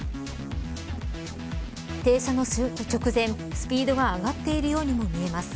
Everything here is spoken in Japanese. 停車の直前スピードが上がっているようにも見えます。